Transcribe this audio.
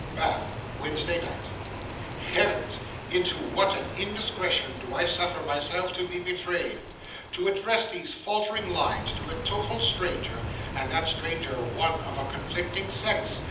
Bath, Wednesday night. Heavens! into what an indiscretion do I suffer myself to be betrayed! To address these faltering lines to a total stranger, and that stranger one of a conflicting sex!